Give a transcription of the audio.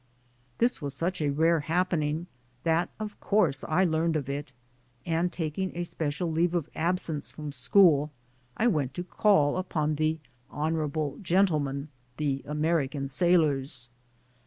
This was such a rare happening that of course I learned of it, and taking a special leave of absence from school, I went to call upon the honorable gentlemen, the American sailors.